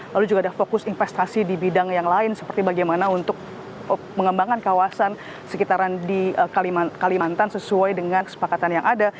lalu juga ada fokus investasi di bidang yang lain seperti bagaimana untuk mengembangkan kawasan sekitaran di kalimantan sesuai dengan kesepakatan yang ada